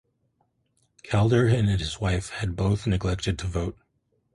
Calder and his wife had both neglected to vote.